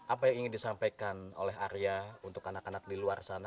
apa yang ingin disampaikan oleh arya untuk anak anak di luar sana